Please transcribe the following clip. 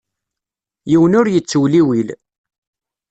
Yiwen ur yettewliwil.